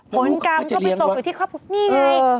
ผลกรรมก็ไปตกอยู่ที่ครอบครัวนี่ไง